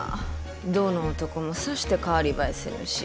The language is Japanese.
どの男もさして代わり映えせぬし。